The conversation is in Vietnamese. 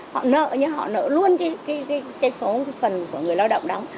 họ nợ luôn cái số phần của người lao động đóng